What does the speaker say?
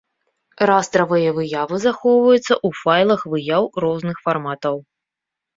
Растравыя выявы захоўваюцца ў файлах выяў розных фарматаў.